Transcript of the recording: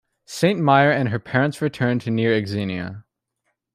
Santmyer and her parents returned to near Xenia.